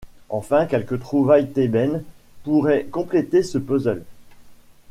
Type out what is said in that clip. Enfin, quelques trouvailles thébaines pourraient compléter ce puzzle.